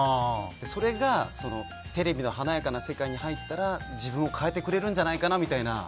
それがテレビの華やかな世界に入ったら自分を変えてくれるんじゃないかな、みたいな。